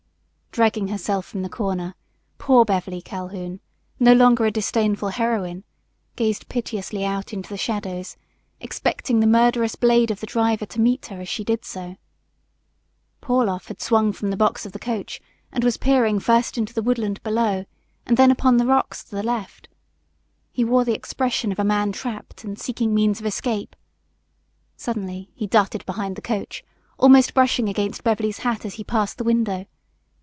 Dragging herself from the corner, poor Beverly Calhoun, no longer a disdainful heroine, gazed piteously out into the shadows, expecting the murderous blade of the driver to meet her as she did so. Pauloff had swung from the box of the coach and was peering first into the woodland below and then upon the rocks to the left. He wore the expression of a man trapped and seeking means of escape. Suddenly he darted behind the coach, almost brushing against Beverly's hat as he passed the window.